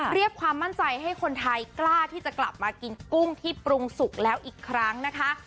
เรียกความมั่นใจให้คนไทยกล้าที่จะกลับมากินกุ้งที่ปรุงสุกแล้วอีกครั้งนะคะ